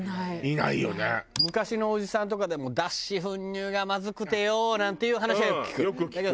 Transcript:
昔のおじさんとかでも「脱脂粉乳がまずくてよー！」なんていう話はよく聞く。